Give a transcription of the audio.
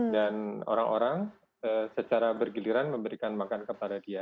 dan orang orang secara bergiliran memberikan makan kepada dia